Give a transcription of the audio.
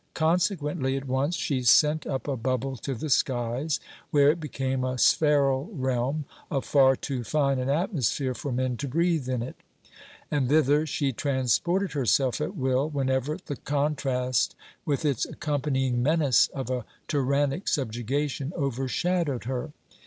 Consequently, at once she sent up a bubble to the skies, where it became a spheral realm, of far too fine an atmosphere for men to breathe in it; and thither she transported herself at will, whenever the contrast, with its accompanying menace of a tyrannic subjugation, overshadowed her.